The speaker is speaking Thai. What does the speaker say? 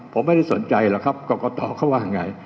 ผมไม่ได้สนใจหรอกครับกรกตเขาว่าไง